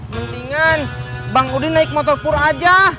mendingan bang udin naik motor pur aja